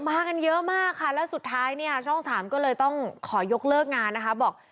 มากันเยอะมากค่ะแล้วสุดท้ายเนี่ยช่องสามก็เลยต้องขอยกเลิกงานนะคะบอก